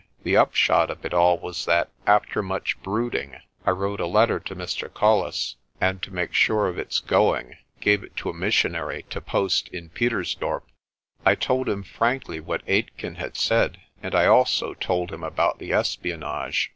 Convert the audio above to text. The upshot of it all was that, after much brooding, I wrote a letter to Mr. Colles, and, to make sure of its going, gave it to a missionary to post in Pietersdorp. I told him frankly what Aitken had said, and I also told him about the espionage.